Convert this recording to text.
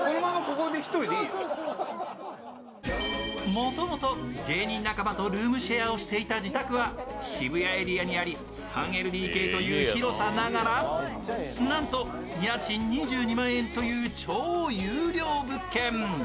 もともと芸人仲間とルームシェアをしていた自宅は渋谷エリアにあり、３ＬＤＫという広さながらなんと家賃２２万円という超優良物件。